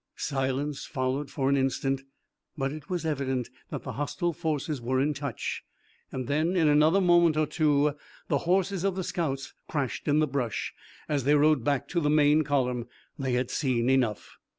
Silence followed for an instant, but it was evident that the hostile forces were in touch and then in another moment or two the horses of the scouts crashed in the brush, as they rode back to the main column. They had seen enough.